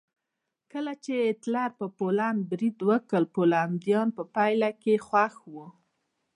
کله چې هېټلر په پولنډ برید وکړ پولنډیان په پیل کې خوښ وو